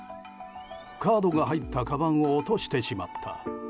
カードが入ったかばんを落としてしまった。